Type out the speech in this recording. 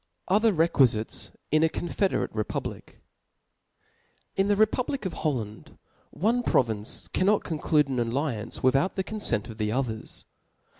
Oiher Reqtfijites in a confederate Republic^ ' T N the republic of Holland one province cannot •*■ conclude an alliance without the confent of the 'Others.